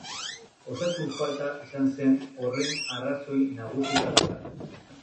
Osasun falta izan zen horren arrazoi nagusienetako bat.